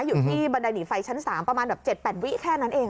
อยู่ที่บันไดหนีไฟชั้น๓ประมาณแบบ๗๘วิแค่นั้นเอง